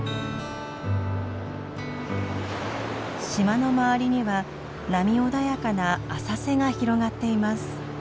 島の周りには波穏やかな浅瀬が広がっています。